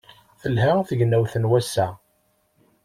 Telha tegnawt n wass-a.